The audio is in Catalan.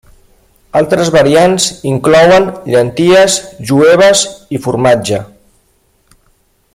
Altres variants inclouen llenties, jueves i formatge.